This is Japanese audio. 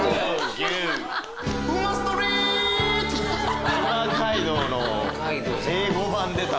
「うま街道」の英語版出た。